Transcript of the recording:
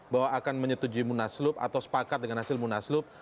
bahwa akan menyetujui munaslub atau sepakat dengan hasil munaslub